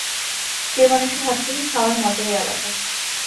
প্রিয় মানুষের হাত থেকে, খাওয়ার মজাই আলাদা।